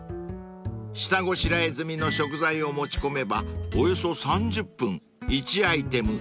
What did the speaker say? ［下ごしらえ済みの食材を持ち込めばおよそ３０分１アイテム